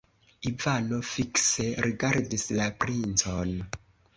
Ivano fikse rigardis la princon.